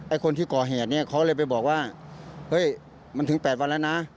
คนที่ก่อเหตุเนี่ยเขาเลยไปบอกว่าเฮ้ยมันถึง๘วันแล้วนะ